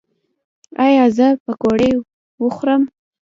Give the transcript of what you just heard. ایا زه پکوړې وخورم؟